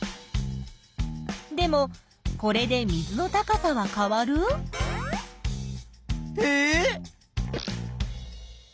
でもこれで水の高さは変わる？えっ？